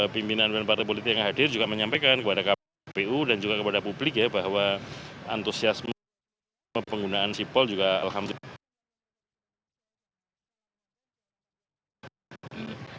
pimpinan pimpinan partai politik yang hadir juga menyampaikan kepada kpu dan juga kepada publik ya bahwa antusiasme penggunaan sipol juga alhamdulillah